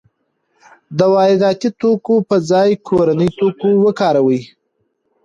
د وارداتي توکو په ځای کورني توکي وکاروئ.